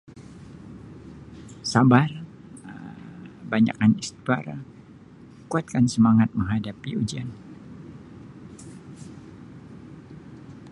Sabar, Um banyakkan istighfar kuatkan semangat menghadapi ujian.